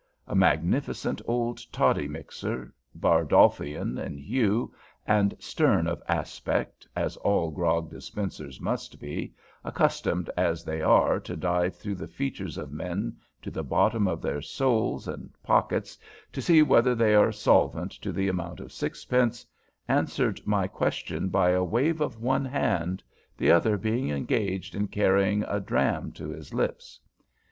A magnificent old toddy mixer, Bardolphian in hue, and stern of aspect, as all grog dispensers must be, accustomed as they are to dive through the features of men to the bottom of their souls and pockets to see whether they are solvent to the amount of sixpence, answered my question by a wave of one hand, the other being engaged in carrying a dram to his lips.